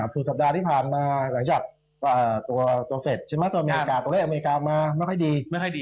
สู่สัปดาห์ที่ผ่านมาหลังจากตัวเฟสตัวไล่อเมริกามาไม่ค่อยดี